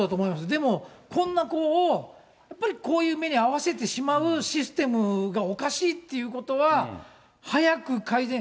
でも、こんな子を、やっぱりこういう目に遭わせてしまうシステムがおかしいっていうことは早く改善。